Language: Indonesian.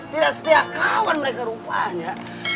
tidak setia kawan mereka rupanya